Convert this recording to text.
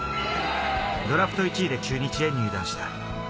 ドラフト１位で中日へ入団した。